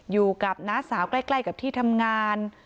อยู่กับน้าสาวใกล้กับที่ทำงาน